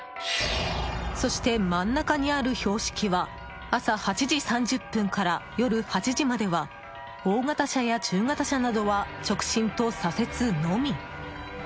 そして真ん中にある標識は朝８時３０分から夜８時までは大型車や中型車などは直進と左折のみ。